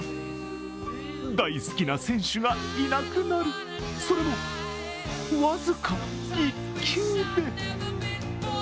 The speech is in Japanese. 大好きな選手がいなくなる、それも僅か１球で。